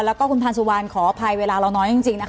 แล้วก็คุณพันธ์สุวรรณขออภัยเวลาเราน้อยจริงนะคะ